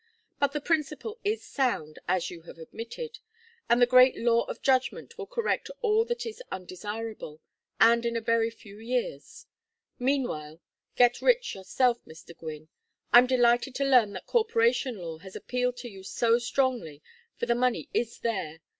But the principle is sound, as you have admitted, and the great law of adjustment will correct all that is undesirable, and in a very few years. Meanwhile, get rich yourself, Mr. Gwynne. I'm delighted to learn that corporation law has appealed to you so strongly, for the money is there.